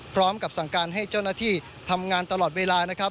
พร้อมกับสั่งการให้เจ้าหน้าที่ทำงานตลอดเวลานะครับ